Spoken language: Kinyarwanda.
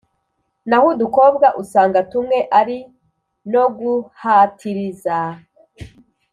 Naho udukobwa usanga tumwe ari noguhatiriza